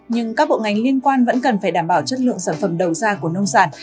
nhưng các bộ ngành liên quan vẫn cần phải đảm bảo chất lượng sản phẩm đầu ra của nông sản